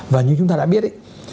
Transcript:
và như chúng ta đã biết ấy